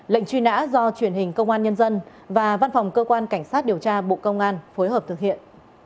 lệnh truy nã do truyền hình công an nhân dân và văn phòng cơ quan cảnh sát điều tra bộ công an phối hợp thực hiện